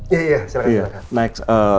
iya iya silahkan silahkan